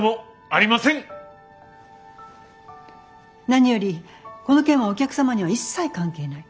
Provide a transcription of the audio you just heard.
何よりこの件はお客様には一切関係ない。